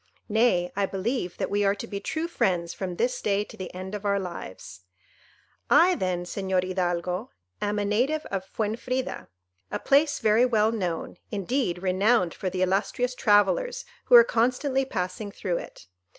Nay, I believe that we are to be true friends from this day to the end of our lives. "I, then, Señor Hidalgo, am a native of Fuenfrida, a place very well known, indeed renowned for the illustrious travellers who are constantly passing through it.